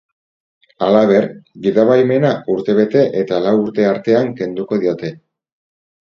Halaber, gidabaimena urtebete eta lau urte artean kenduko diote.